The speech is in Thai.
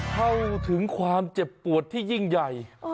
เข้าถึงความเจ็บปวดที่ยิ่งใหญ่